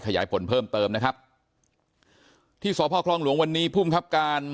ขยายผลเพิ่มเติมนะครับที่สพคลองหลวงวันนี้ภูมิครับการ